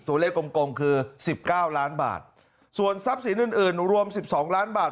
ตัวเลขกลมคือ๑๙ล้านบาทส่วนทรัพย์สินอื่นรวม๑๒ล้านบาท